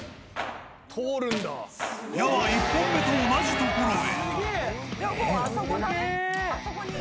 矢は１本目と同じ所へ。